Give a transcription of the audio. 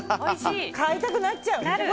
買いたくなっちゃう。